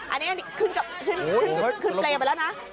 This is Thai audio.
อันนี้ขึ้นเปรย์ไปแล้วนะ